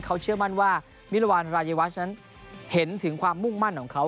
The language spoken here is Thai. เขาเชื่อมั่นว่ามิรวรรณรายวัชนั้นเห็นถึงความมุ่งมั่นของเขา